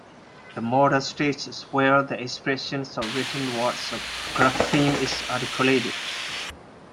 The motor stage is where the expression of written words or graphemes is articulated.